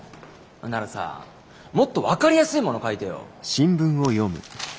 ならさもっと分かりやすいもの書いてよ。